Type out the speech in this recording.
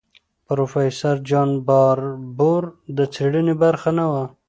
پروفیسور جان باربور د څېړنې برخه نه وه.